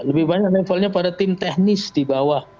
lebih banyak levelnya pada tim teknis di bawah